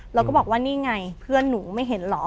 แล้วก็บอกว่านี่ไงเพื่อนหนูไม่เห็นเหรอ